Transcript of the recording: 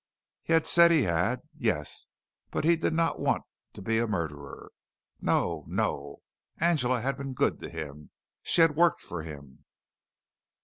He had said he had yes, but he did not want to be a murderer. No, no! Angela had been good to him. She had worked for him.